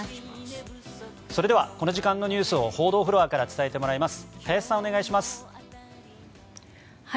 それではこの時間のニュースを報道フロアから伝えてもらいますお伝えします。